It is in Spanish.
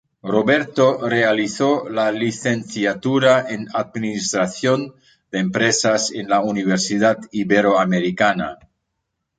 Roberto realizó la licenciatura en administración de empresas en la Universidad Iberoamericana.